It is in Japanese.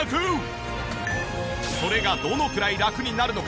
それがどのくらいラクになるのか